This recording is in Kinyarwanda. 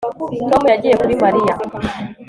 Tom yagiye kuri Mariya